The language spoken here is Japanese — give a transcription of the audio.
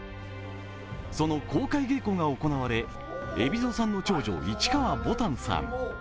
その公開稽古が行われ、海老蔵さんの長女、市川ぼたんさん